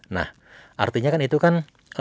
nah artinya kan itu kan